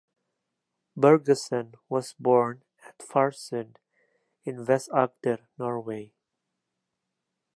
Bergesen was born at Farsund in Vest-Agder, Norway.